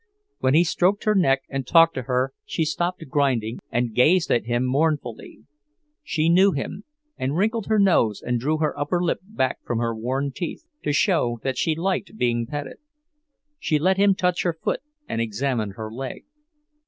When he stroked her neck and talked to her she stopped grinding and gazed at him mournfully. She knew him, and wrinkled her nose and drew her upper lip back from her worn teeth, to show that she liked being petted. She let him touch her foot and examine her leg.